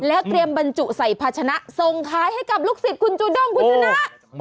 แล้วเตรียมบรรจุใส่ภาชนะส่งขายให้กับลูกศิษย์คุณจูด้งคุณชนะ